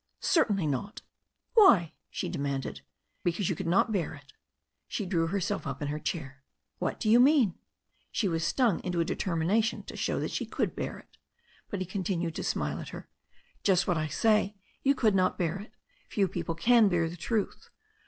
"Certainly not." "Why?" she demanded. "Because you could not bear it." She drew herself up in her chair. "What do you mean? She was stung into a determination to show that she could bear it. But he continued to smile at her. "Just what I say. You could not bear it. Few people can bear the truth.